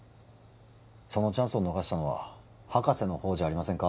そのチャンスを逃したのは博士の方じゃありませんか？